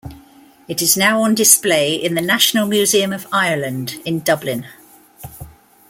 It is now on display in the National Museum of Ireland in Dublin.